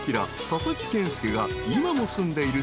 佐々木健介が今も住んでいる］